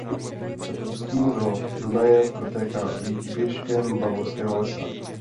Před ústím do Dunaje protéká výběžkem Bavorského lesa.